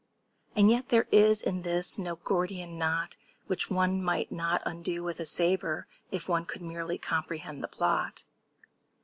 And yet there is in this no Gordian knot Which one might not undo without a sabre, If one could merely comprehend the plot.